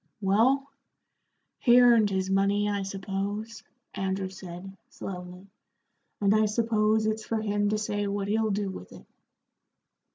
"Well, he earned his money, I suppose," Andrew said, slowly, "and I suppose it's for him to say what he'll do with it."